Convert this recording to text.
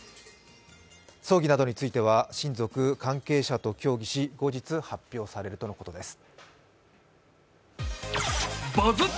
葬儀などについては親族・関係者と協議し、後日、発表されるとのことです。